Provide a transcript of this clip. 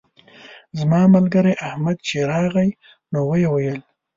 زما ملګری احمد چې راغی نو ویې ویل.